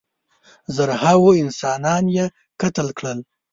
زرهاوو انسانان یې قتل کړل.